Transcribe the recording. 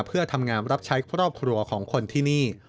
เพื่อทำงานรับใช้ครอบครัวของคนที่นี่